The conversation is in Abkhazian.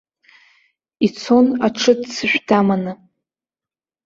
Ицон аҽыццышә даманы.